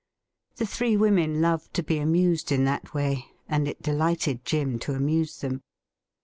The three women loved to be amused in that way, and it delighted Jim to amuse them.